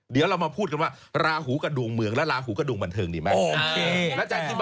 เดี๋ยวเรามาพูดกันว่าราหูกับดวงเมืองและลาหูก็ดวงบันเทิงดีไหม